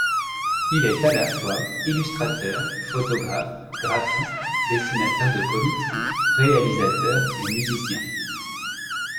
Il est à la fois illustrateur, photographe, graphiste, dessinateur de comics, réalisateur et musicien.